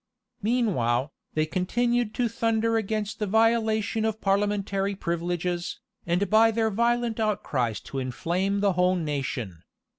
Meanwhile, they continued to thunder against the violation of parliamentary privileges, and by their violent outcries to inflame the whole nation.